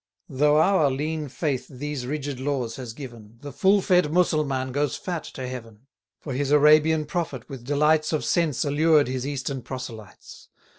Though our lean faith these rigid laws has given, The full fed Mussulman goes fat to heaven; For his Arabian prophet with delights Of sense allured his eastern proselytes.